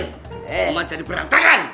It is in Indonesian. cuma jadi perantakan